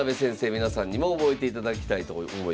皆さんにも覚えていただきたいと思います。